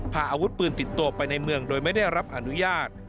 พาอาวุธปืนติดตัวไปในเมืองโดยไม่ได้รับอนุญาต